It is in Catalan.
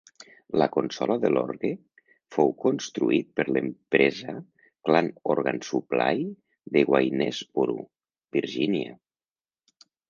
La consola de l'orgue fou construït per l'empresa Klann Organ Supply de Waynesboro, Virgínia.